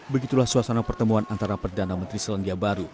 begitulah suasana pertemuan antara perdana menteri selandia baru